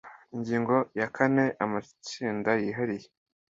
Ingingo ya kane Amatsinda yihariye